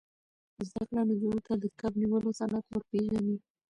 زده کړه نجونو ته د کب نیولو صنعت ور پېژني.